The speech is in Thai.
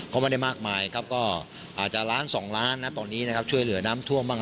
ก็ไม่ได้มากมายครับก็อาจจะ๑๒ล้านบาทตอนนี้ช่วยเหลือน้ำท่วงบ้าง